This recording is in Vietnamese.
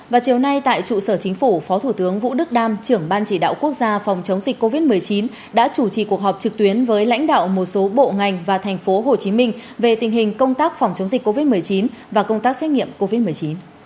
và chiều nay tại trụ sở chính phủ phó thủ tướng vũ đức đam trưởng ban chỉ đạo quốc gia phòng chống dịch covid một mươi chín đã chủ trì cuộc họp trực tuyến với lãnh đạo một số bộ ngành và tp hcm về tình hình công tác phòng chống dịch covid một mươi chín và công tác xét nghiệm covid một mươi chín